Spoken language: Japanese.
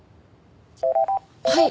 はい。